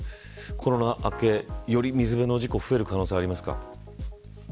コロナ明け、より水の事故が増える可能性がありますか。